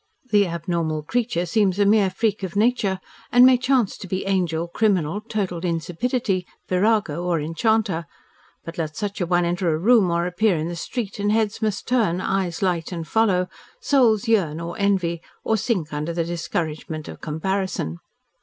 The abnormal creature seems a mere freak of nature and may chance to be angel, criminal, total insipidity, virago or enchanter, but let such an one enter a room or appear in the street, and heads must turn, eyes light and follow, souls yearn or envy, or sink under the discouragement of comparison.